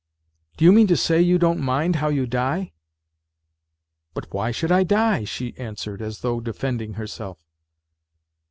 " Do you mean to say, you don't mind how you die ?"" But why should I die ?" she answered, as though defending herself.